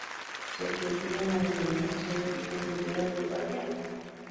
Se cultiva en la Denominación de Origen Ribera del Guadiana.